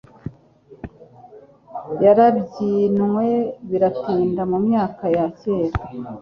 yarabyinwe biratinda mu myaka ya kera